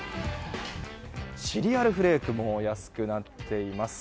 シリアルフレークも安くなっています。